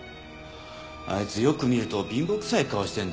あいつよく見ると貧乏くさい顔してんだよ。